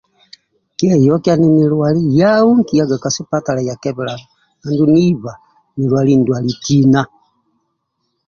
Kieyokia ninilwali yau nkiyaga ka sipatala andulu niba nilwali ndwali tina